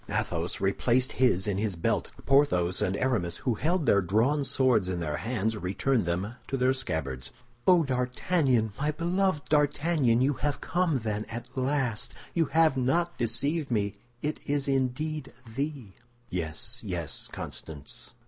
Athos replaced his in his belt; Porthos and Aramis, who held their drawn swords in their hands, returned them to their scabbards. "Oh, D'Artagnan, my beloved D'Artagnan! You have come, then, at last! You have not deceived me! It is indeed thee!" "Yes, yes, Constance.